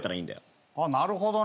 あっなるほどね。